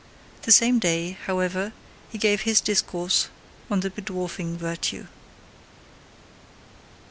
The same day, however, he gave his discourse on the bedwarfing virtue.